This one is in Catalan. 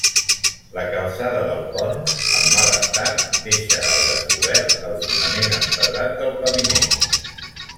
La calçada del pont, en mal estat, deixa al descobert el fonament empedrat del paviment.